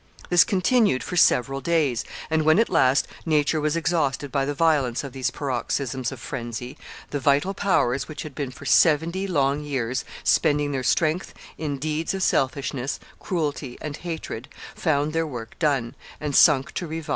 This continued for several days, and when at last nature was exhausted by the violence of these paroxysms of phrensy, the vital powers which had been for seventy long years spending their strength in deeds of selfishness, cruelty, and hatred, found their work done, and sunk to revive no more.